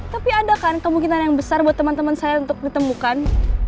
tapi ada kan kemungkinan yang besar buat teman teman saya untuk ditemukan